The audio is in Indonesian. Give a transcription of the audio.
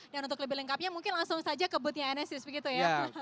dan untuk lebih lengkapnya mungkin langsung saja ke boothnya enesis begitu ya